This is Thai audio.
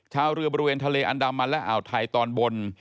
ชาวเรือบริเวณทะเลอันดามันและอ่าวไทยตอนบน